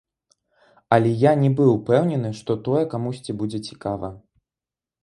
Але я не быў упэўнены, што тое камусьці будзе цікава.